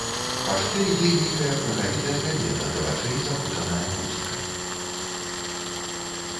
Па шкле ідзе нейкая прагавітая кабета, да вачэй захутаная хусткай.